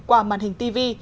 qua màn hình tv